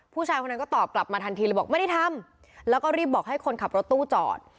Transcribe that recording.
ผู้ชายคนนั้นก็ตอบกลับมาทันทีเลยบอกไม่ได้ทำแล้วก็รีบบอกให้คนขับรถตู้จอด